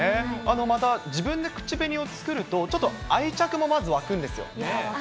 また自分で口紅を作ると、ちょっと愛着もまず湧くんですよ。